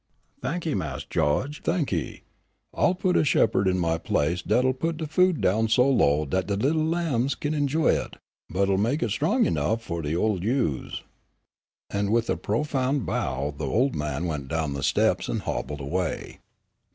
"Thanky, Mas' Gawge, thanky. I'll put a shepherd in my place dat'll put de food down so low dat de littles' lambs kin enjoy it, but'll mek it strong enough fu' de oldes' ewes." And with a profound bow the old man went down the steps and hobbled away.